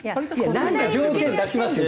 なんか条件出しますよ。